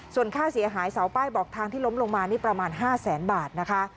ส่วนค่าเสียหายเสาป้ายบอกทางที่ล้มลงมานี่ประมาณ๕แสนบาทนะคะ